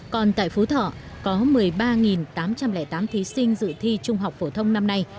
còn tại phú thọ có một mươi ba tám trăm linh tám thí sinh dự thi trung học phổ thông năm nay